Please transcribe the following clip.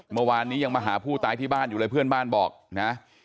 เมื่อวานนี้ยังมาหาผู้ตายที่บ้านอยู่เลยเพื่อนบ้านบอกนะ